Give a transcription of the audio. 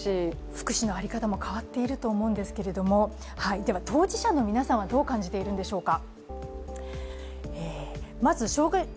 福祉の在り方も変わっていると思うんですけれども、当事者の皆さんはどう感じているんでしょうか。